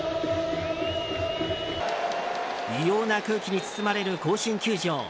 異様な空気に包まれる甲子園球場。